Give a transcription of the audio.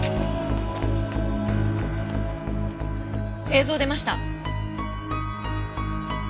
映像出ました！